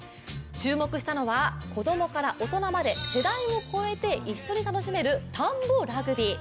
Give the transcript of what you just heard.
注目したのは子供から大人まで世代を超えて一緒に楽しめるたんぼラグビー。